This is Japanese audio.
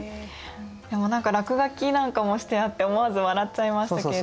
でも何か落書きなんかもしてあって思わず笑っちゃいましたけれども。